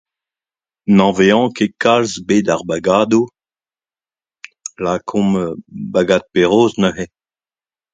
N'anavezan ket kalz bed ar bagadoù, lakaomp, bagad Perros neuze